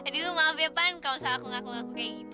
aduh maaf ya pan kalau misalnya aku ngaku ngaku kayak gitu